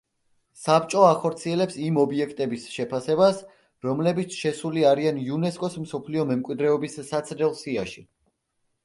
საბჭო ახორციელებს იმ ობიექტების შეფასებას, რომლებიც შესული არიან იუნესკოს მსოფლიო მემკვიდრეობის საცდელ სიაში.